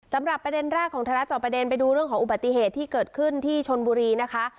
สำหรับประเด็นแรกของไทยรัฐจอบประเด็นไปดูเรื่องของอุบัติเหตุที่เกิดขึ้นที่ชนบุรีนะคะ